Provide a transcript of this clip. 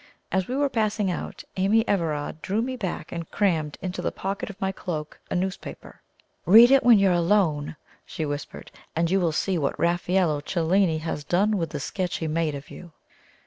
As we were passing out, Amy Everard drew me back and crammed into the pocket of my cloak a newspaper. "Read it when you are alone," she whispered; "and you will see what Raffaello Cellini has done with the sketch he made of you."